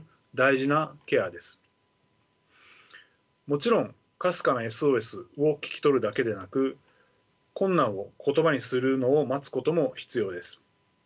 もちろんかすかなＳＯＳを聞き取るだけでなく困難を言葉にするのを待つことも必要です。